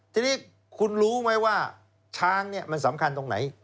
ทีนี้คุณรู้ไหมว่าช้างเนี่ยมันสำคัญตรงไหน